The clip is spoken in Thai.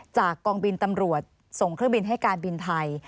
จากกองบินตำรวจส่งเครื่องบินให้การบินไทย